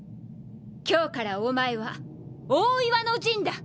今日からお前は大岩のジンだ！